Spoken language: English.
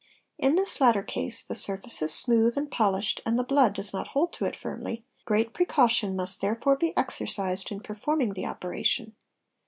In this latter case the — surface is smooth and polished and the blood does not hold to it firmly, great precaution must therefore be exercised in performing the operation.